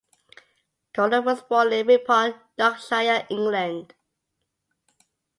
Gordon was born in Ripon, Yorkshire, England.